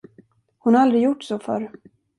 Hon har aldrig gjort så förr.